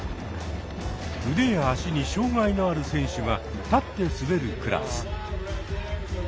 腕や足に障がいのある選手が立って滑るクラス。